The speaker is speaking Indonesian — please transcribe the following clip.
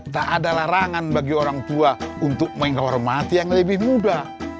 tak ada larangan bagi orang tua untuk menghormati yang lebih muda